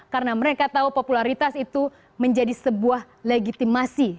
karena mereka tahu popularitas itu menjadi sebuah legitimasi